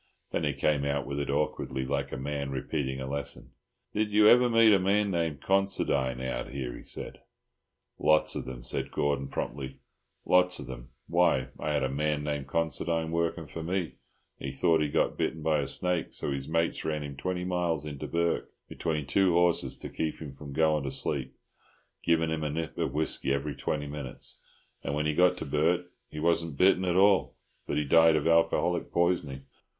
Then he came out with it awkwardly, like a man repeating a lesson. "Did you ever meet a man named Considine out here?" he said. "Lots of them," said Gordon promptly—"lots of them. Why, I had a man named Considine working for me, and he thought he got bitten by a snake, so his mates ran him twenty miles into Bourke between two horses to keep him from going to sleep, giving him a nip of whisky every twenty minutes; and when he got to Bourke he wasn't bitten at all, but he died of alcoholic poisoning.